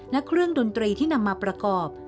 และเครื่องดนตรีที่นำมาประกอบ